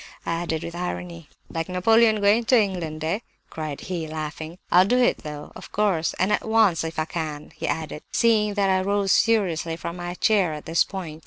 I added with irony. "'Like Napoleon going to England, eh?' cried he, laughing. 'I'll do it though—of course, and at once, if I can!' he added, seeing that I rose seriously from my chair at this point.